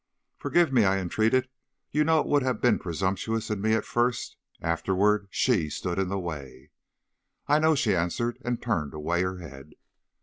"'Forgive me,' I entreated. 'You know it would have been presumptuous in me at first; afterward she stood in the way.' "'I know,' she answered, and turned away her head.